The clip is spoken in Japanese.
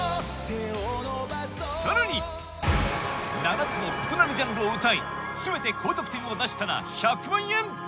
さらに７つの異なるジャンルを歌い全て高得点を出したら１００万円